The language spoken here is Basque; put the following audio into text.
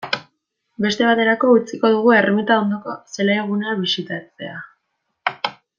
Beste baterako utziko dugu ermita ondoko zelaigunea bisitatzea.